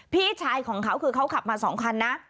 พี่ชายของเขาคือเขาขับมา๒คันนะ